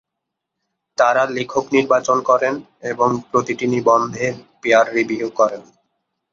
তারা লেখক নির্বাচন করেন এবং প্রতিটি নিবন্ধের পিয়ার রিভিউ করেন।